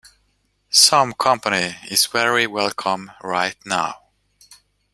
Some company is very welcome right now.